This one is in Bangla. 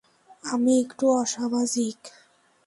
আমি একটু অসামাজিক!